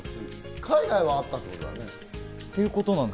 海外はあったってことだね。